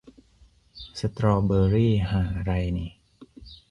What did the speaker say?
สตรอว์เบอรี่ห่าไรนิ